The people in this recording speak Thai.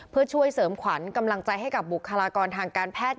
เพื่อช่วยเสริมขวัญกำลังใจให้กับบุคลากรทางการแพทย์